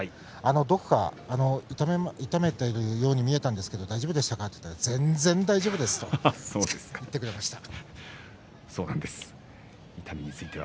どこか痛めているように見えたんですが大丈夫ですか？と聞いたら全然、大丈夫ですと答えてくれました。